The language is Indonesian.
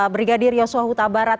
brigadir yosua huta barat